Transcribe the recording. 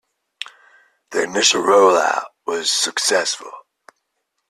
The initial rollout was successful.